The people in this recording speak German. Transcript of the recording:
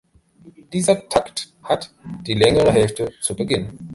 Dieser Takt hat die längere „Hälfte“ zu Beginn.